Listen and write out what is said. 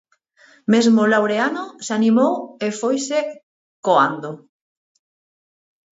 Mesmo Laureano se animou e foise coando.